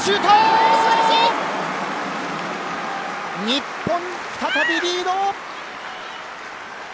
日本、再びリード。